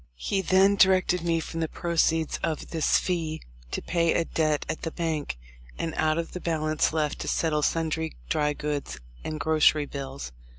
He then directed me from the proceeds of this fee to pay a debt at the bank, and out of the balance left to settle sundry dry goods and grocery bills.